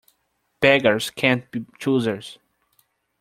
Beggars can't be choosers.